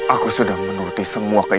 aku sudah men huis